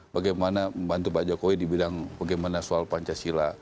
bagaimana membantu pak jokowi di bidang bagaimana soal pancasila